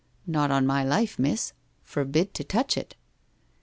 Xot on my life, miss. Forbid to touch it.'